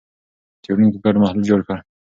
څېړونکو ګډ محلول جوړ کړ.